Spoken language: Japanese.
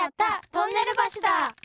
トンネルばしだ！